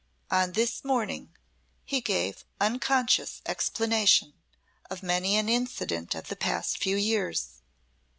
On this morning he gave unconscious explanation of many an incident of the past few years.